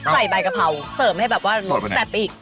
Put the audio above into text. ใส่ใบกะเพราเสริมให้แบบว่ารสแต่ปีก